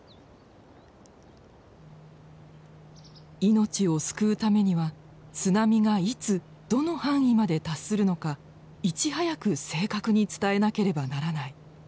命を救うためには津波がいつ・どの範囲まで達するのかいち早く正確に伝えなければならない。